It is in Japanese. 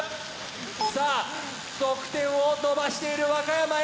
さあ得点を伸ばしている和歌山Ａ。